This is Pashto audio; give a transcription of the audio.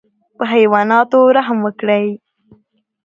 په حیواناتو رحم وکړئ